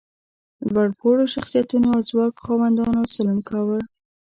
لوړ پوړو شخصیتونو او ځواک خاوندانو ظلم کاوه.